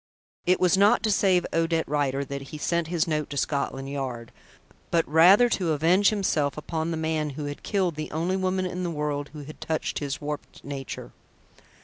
It was not to save Odette Rider that he sent his note to Scotland Yard, but rather to avenge himself upon the man who had killed the only woman in the world who had touched his warped nature.